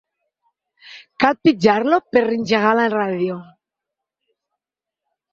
Cal pitjar-lo per engegar la ràdio.